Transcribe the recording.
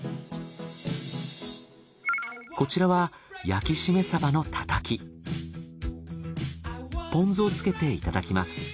こちらはポン酢をつけていただきます。